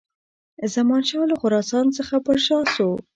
زمانشاه له خراسان څخه پر شا سو.